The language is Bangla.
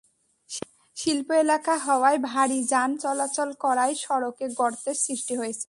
শিল্প এলাকা হওয়ায় ভারী যান চলাচল করায় সড়কে গর্তের সৃষ্টি হয়েছে।